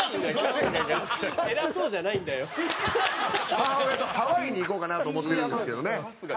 母親とハワイに行こうかなと思ってるんですけどね。